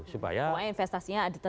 supaya investasinya ada